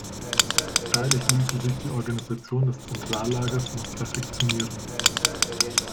Freilich ließe sich die Organisation des Zentrallagers noch perfektionieren.